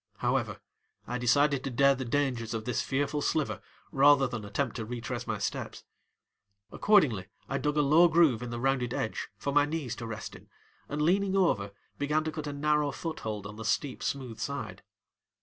However, I decided to dare the dangers of the fearful sliver rather than to attempt to retrace my steps. Accordingly I dug a low groove in the rounded edge for my knees to rest in and, leaning over, began to cut a narrow foothold on the steep, smooth side.